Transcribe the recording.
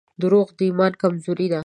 • دروغ د ایمان کمزوري ده.